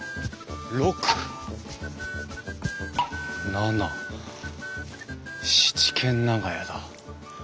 ７軒長屋だ。